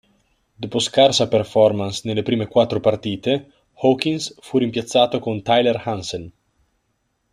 Dopo scarsa performance nelle prime quattro partite, Hawkins fu rimpiazzato con Tyler Hansen.